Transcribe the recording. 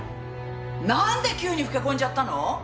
なんで急に老け込んじゃったの！？